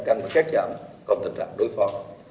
càng phải cách chậm còn tình trạng đối phó